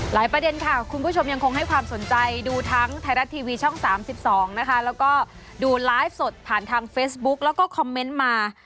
ประเด็นค่ะคุณผู้ชมยังคงให้ความสนใจดูทั้งไทยรัฐทีวีช่อง๓๒นะคะแล้วก็ดูไลฟ์สดผ่านทางเฟซบุ๊กแล้วก็คอมเมนต์มา